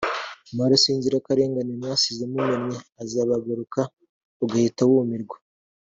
”Amaraso y’inzirakarengane mwasize mumennye azabagaruka” ugahita wumirwa